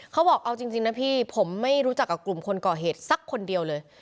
เขาบอกเอาจริงนะพี่ผมไม่รู้จักกับกลุ่มคนก่อเหตุสักคนเดียวเลย